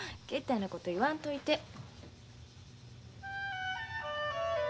けったいなこと言わんといて。